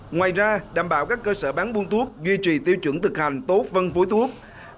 ngoài ra đảm bảo các cơ sở bán buôn thuốc duy trì tiêu chuẩn thực hành tốt phân phối thuốc